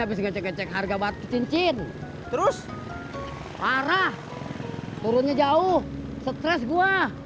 habis ngecek ngecek harga batu cincin terus parah turunnya jauh stres gue